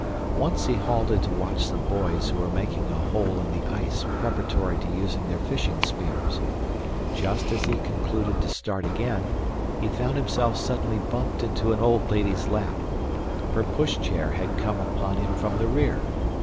Once he halted to watch some boys who were making a hole in the ice preparatory to using their fishing spears. Just as he concluded to start again, he found himself suddenly bumped into an old lady's lap. Her push chair had come upon him from the rear.